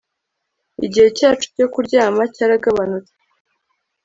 igihe cyacu cyo kuryama cyaragabanutse